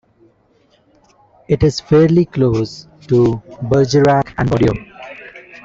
It is fairly close to Bergerac and Bordeaux.